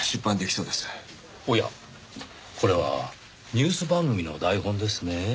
これはニュース番組の台本ですね？